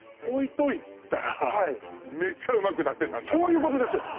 置いといたらめっちゃうまくなってたんだそういうことです！